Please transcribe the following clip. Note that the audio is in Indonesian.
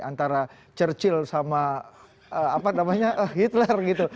antara churchill sama hitler gitu